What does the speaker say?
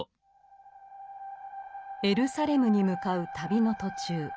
エルサレムに向かう旅の途中。